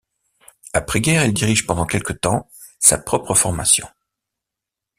Après guerre, il dirige pendant quelque temps sa propre formation.